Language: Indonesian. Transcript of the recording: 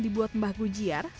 dari tempat mulut kami